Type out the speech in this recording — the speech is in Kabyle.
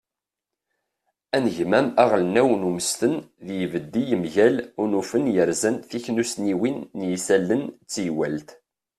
anegmam aɣelnaw n umesten d yibeddi mgal unufen yerzan tiknussniwin n yisallen d teywalt